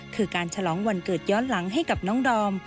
คือการฉลองวันเกิดย้อนหลังให้กับน้องดอม